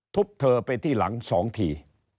ทุบเธอไปที่หลังสองที